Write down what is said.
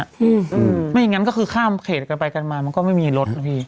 ไม่อย่างนั้นก็คือข้ามเขตกันไปกันมามันก็ไม่มีรถนะพี่